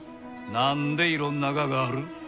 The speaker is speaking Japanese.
何でいろんなががある？